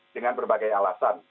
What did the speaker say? dengan berbagai alasan